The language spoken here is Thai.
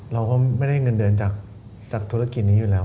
เราก็ไม่ได้เงินเดือนจากธุรกิจนี้อยู่แล้ว